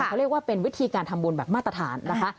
เขาเรียกว่าเป็นวิธีการทำบุญแบบมาตรฐานนะคะ